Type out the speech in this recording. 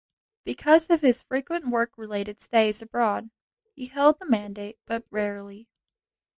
Because of his frequent work-related stays abroad, he held the mandate but barely.